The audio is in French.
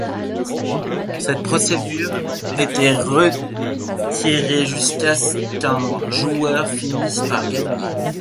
Cette procédure était réitérée jusqu'à ce qu'un joueur finisse par gagner.